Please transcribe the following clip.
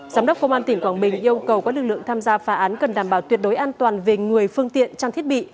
giám đốc công an tỉnh quảng bình yêu cầu các lực lượng tham gia phá án cần đảm bảo tuyệt đối an toàn về người phương tiện trang thiết bị